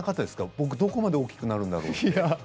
僕はどこまで大きくなるんだろうって。